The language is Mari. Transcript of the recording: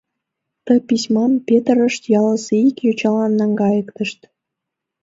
Ты письмам петырышт ялысе ик йочалан наҥгайыктышт...